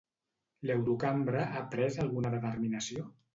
L'Eurocambra ha pres alguna determinació?